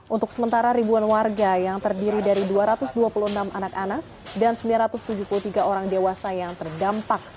untuk sementara ribuan warga yang terdiri dari dua ratus dua puluh enam anak anak dan sembilan ratus tujuh puluh tiga orang dewasa yang terdampak